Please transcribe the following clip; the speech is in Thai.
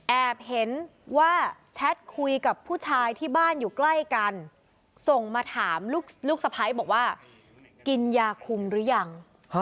เห็นว่าแชทคุยกับผู้ชายที่บ้านอยู่ใกล้กันส่งมาถามลูกสะพ้ายบอกว่ากินยาคุมหรือยัง